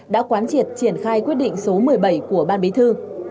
đã quán triệt triển khai quyết định số một mươi bảy của ban bí thư